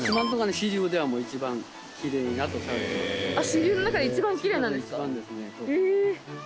支流の中で一番奇麗なんですか。